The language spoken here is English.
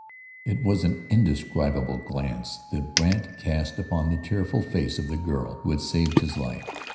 It was an indescribable glance that Brandt cast upon the tearful face of the girl who had saved his life.